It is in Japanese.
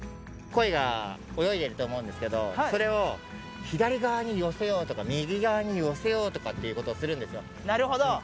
コイが泳いでると思うんですけど、それを左側に寄せようとか、右側に寄せようとかっていうことなるほど。